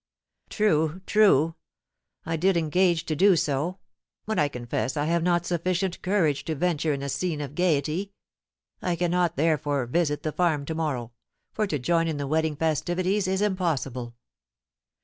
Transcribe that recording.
"True, true, I did engage to do so; but I confess I have not sufficient courage to venture in a scene of gaiety. I cannot, therefore, visit the farm to morrow, for to join in the wedding festivities is impossible."